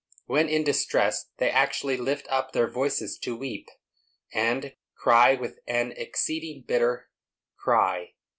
When in distress, they actually lift up their voices to weep, and "cry with an exceeding bitter cry."